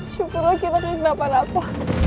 syukurlah kita terus kenapa napa